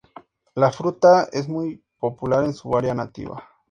La fruta es muy popular en su área nativa.